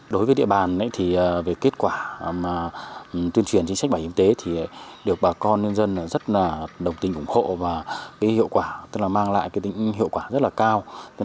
đối với địa bàn kết quả tuyên truyền chính sách bảo hiểm y tế được bà con nhân dân rất đồng tình ủng hộ và mang lại hiệu quả rất cao